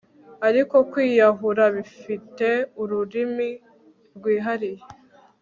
Ariko kwiyahura bifite ururimi rwihariye